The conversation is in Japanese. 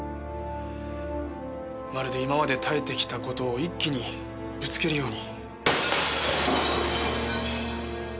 まるで今まで耐えてきた事を一気にぶつけるように。